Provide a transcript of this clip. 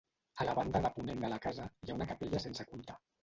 A la banda de ponent de la casa hi ha una capella sense culte.